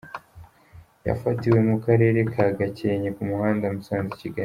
Yafatiwe mu karere ka Gakenke ku muhanda Musanze – Kigali.